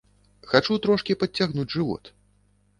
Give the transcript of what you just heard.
Хачу трошкі падцягнуць жывот.